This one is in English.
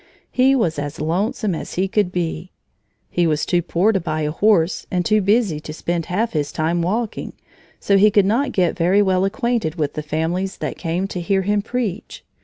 He was as lonesome as he could be. He was too poor to buy a horse and too busy to spend half his time walking, so he could not get very well acquainted with the families that came to hear him preach.